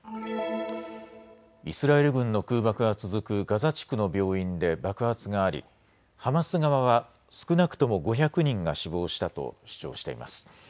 イスラエル軍の空爆が続くガザ地区の病院で爆発がありハマス側は少なくとも５００人が死亡したと主張しています。